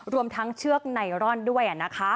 รวมทั้งเชือกไนรอนด้วย